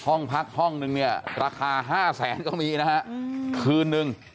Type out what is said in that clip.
ห้องพักห้องนึงเนี่ยราคา๕แสนก็มีนะฮะคืนนึง